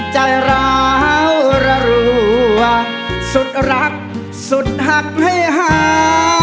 ใจร้าวรัวสุดรักสุดหักให้หา